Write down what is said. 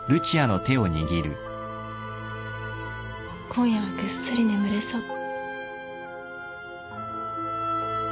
今夜はぐっすり眠れそう。